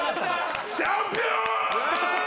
チャンピオーン！